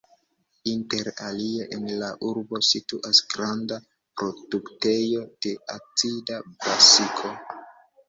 Inter alie en la urbo situas granda produktejo de acida brasiko.